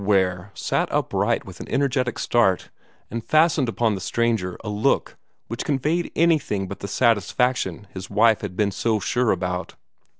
Ware sat upright with an energetic start, and fastened upon the stranger a look which conveyed anything but the satisfaction his wife had been so sure about.